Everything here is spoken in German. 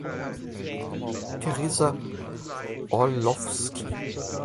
Theresa Orlowski